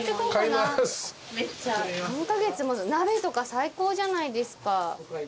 鍋とか最高じゃないですか。